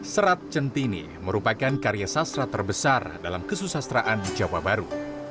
serat centini merupakan karya sastra terbesar dalam kesusastraan di jawa baru